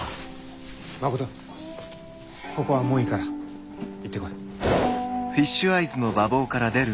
ここはもういいから行ってこい。